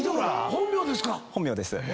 本名です。